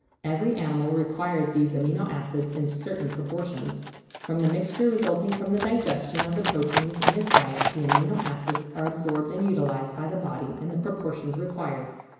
Every animal requires these amino acids in certain proportions. From the mixture resulting from the digestion of the proteins in its diet the amino acids are absorbed and utilised by the body in the proportions required.